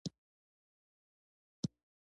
لومړۍ ډله بکټریاوې ازاد اکسیجن ته ضرورت لري.